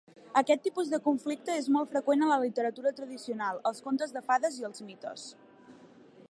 Aquest tipus de conflicte és molt freqüent a la literatura tradicional, els contes de fades i els mites.